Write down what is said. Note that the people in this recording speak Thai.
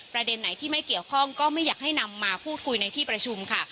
ประเด็นไหนที่ไม่เกี่ยวข้องก็ไม่อยากให้นำมาพูดคุยในที่ประชุมค่ะ